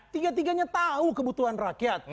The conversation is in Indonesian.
tiga tiganya tahu kebutuhan rakyat